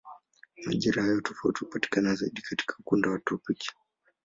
Majira hayo tofauti hupatikana zaidi katika ukanda wa tropiki.